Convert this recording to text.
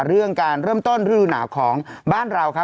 เรื่องการเริ่มต้นฤดูหนาวของบ้านเราครับ